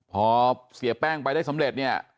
พอเสียแป้งไปได้สำเร็จเนี่ย